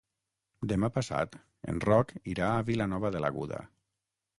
Demà passat en Roc irà a Vilanova de l'Aguda.